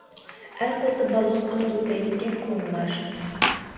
ئەر قىلسا بالىغا قىلىدۇ دەيدۇ كونىلار.